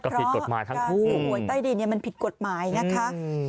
เพราะการสู้โหยใต้ดินมันผิดกฎหมายนะค่ะอืม